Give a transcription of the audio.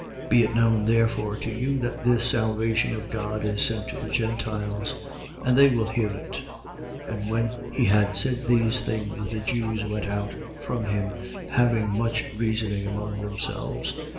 28:28. Be it known therefore to you that this salvation of God is sent to the Gentiles: and they will hear it. 28:29. And when he had said these things, the Jews went out from him, having much reasoning among themselves.